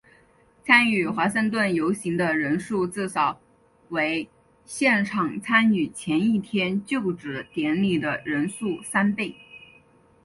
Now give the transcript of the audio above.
参与华盛顿游行的人数至少为现场参与前一天就职典礼的人数三倍。